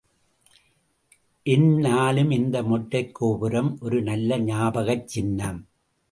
என் நாலும் இந்த மொட்டைக் கோபுரம் ஒரு நல்ல ஞாபகச் சின்னம்.